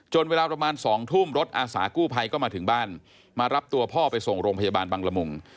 เวลาประมาณ๒ทุ่มรถอาสากู้ภัยก็มาถึงบ้านมารับตัวพ่อไปส่งโรงพยาบาลบังละมุง